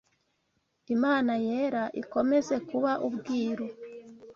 Imana Yera ikomeza kuba ubwiru